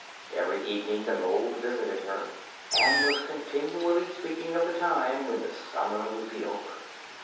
Every evening the mole visited her, and was continually speaking of the time when the summer would be over.